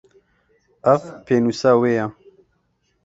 Ev, pênûsa wê ye.